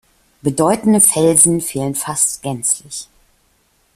Bedeutende Felsen fehlen fast gänzlich.